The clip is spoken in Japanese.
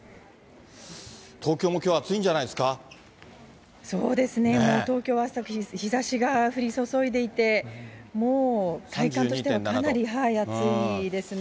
東京もきょう、そうですね、もう東京は朝から日ざしが降り注いでいて、もう体感としてはかなり暑いですね。